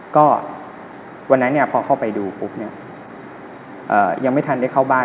ก็วันนั้นเนี่ยพอเข้าไปดูปุ๊บเนี่ยยังไม่ทันได้เข้าบ้าน